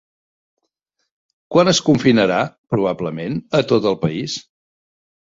Quan es confinarà probablement a tot el país?